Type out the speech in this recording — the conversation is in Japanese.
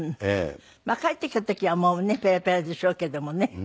帰ってきた時はもうねペラペラでしょうけどもね。